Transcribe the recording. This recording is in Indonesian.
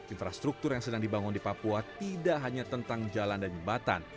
infrastruktur yang sedang dibangun di papua tidak hanya tentang jalan dan jembatan